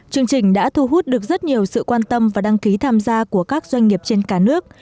chương trình đã thu hút được rất nhiều sự quan tâm và đăng ký tham gia của các doanh nghiệp trên cả nước